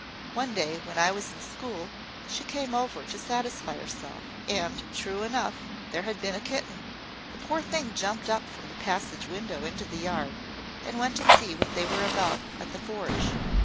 One day, when I was in school, she came over to satisfy herself; and true enough, there had been a kitten. The poor thing jumped from the passage window into the yard, and went to see what they were about at the forge.